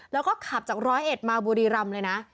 แล้วก็ขับจากร้อยเอ็ดมาบุรีรำเลยนะ